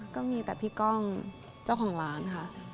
ก็มีแต่พี่ก้องเจ้าของร้านค่ะ